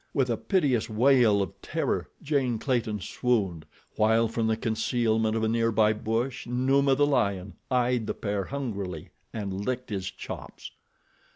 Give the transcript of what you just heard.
With a piteous wail of terror, Jane Clayton swooned, while, from the concealment of a nearby bush, Numa, the lion, eyed the pair hungrily and licked his chops.